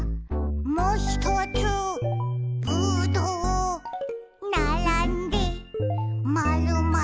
「もひとつぶどう」「ならんでまるまる」